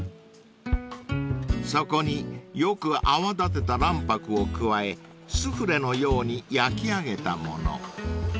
そこによく泡立てた卵白を加えスフレのように焼き上げたもの］